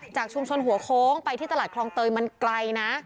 จากชุมชนหัวโค้งไปที่ตลาดคลองเตยมันไกลนะ